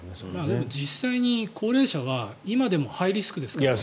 でも実際に高齢者は今でもハイリスクですからね。